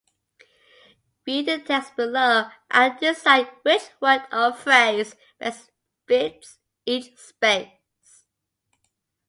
Read the text below and decide which word or phrase best fits each space.